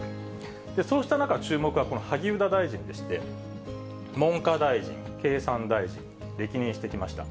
そうした中、注目は、この萩生田大臣でして、文科大臣、経産大臣、歴任してきました。